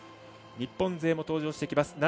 日本勢も登場してきます。